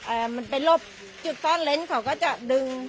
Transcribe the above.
เอ่อมันเป็นรบจุดซ่อนเล้นเขาก็จะดึง